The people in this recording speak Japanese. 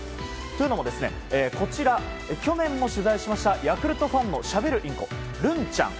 というのも、こちら去年も取材しましたヤクルトファンのしゃべるインコるんちゃん。